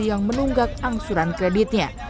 yang menunggak angsuran kreditnya